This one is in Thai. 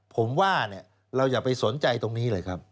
ผมว่าเราอย่าไปสนใจตรงนี้เลยครับ